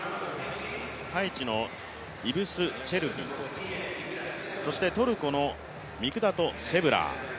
ハイチのイブス・チェルビンそしてトルコのミクダト・セブラー